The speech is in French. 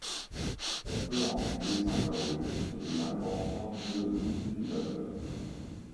On peut en effet s’interroger sur l’intention de l’utilisateur.